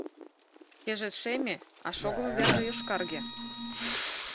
— Шкеже — шеме, а шогымо верже — йошкарге.